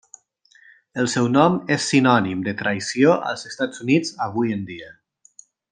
El seu nom és sinònim de traïció als Estats Units avui en dia.